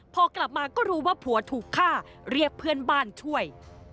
พอกลับมาก็รู้ว่าผัวถูกฆ่าเรียกเพื่อนบ้านช่วย